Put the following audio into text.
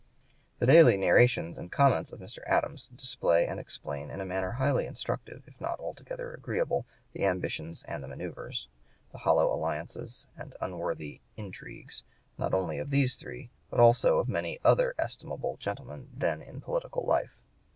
The daily narrations and comments of Mr. Adams display and explain in a manner highly instructive, if not altogether agreeable, the ambitions (p. 107) and the manoeuvres, the hollow alliances and unworthy intrigues, not only of these three, but also of many other estimable gentlemen then in political life.